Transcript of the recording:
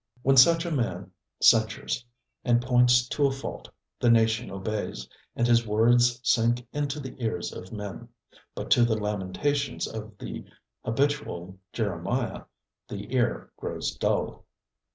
When such a man censures, and points to a fault, the nation obeys, and his words sink into the ears of men; but to the lamentations of the habitual Jeremiah the ear grows dull.